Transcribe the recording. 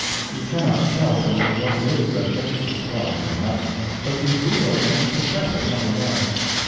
You cannot tell just what it is that makes the spell, perhaps, but you feel it and confess it, nevertheless.